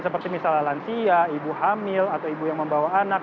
seperti misalnya lansia ibu hamil atau ibu yang membawa anak